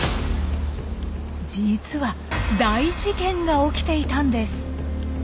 実は大事件が起きていたんです。